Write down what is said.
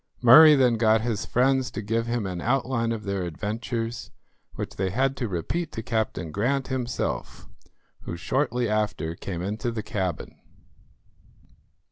Murray then got his friends to give him an outline of their adventures, which they had to repeat to Captain Grant himself, who shortly after came into the cabin.